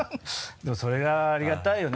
でもそれがありがたいよね。